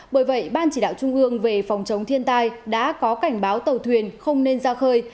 bởi vậy ban chỉ đạo trung ương về phòng chống thiên tai đã có cảnh báo tàu thuyền không nên ra khơi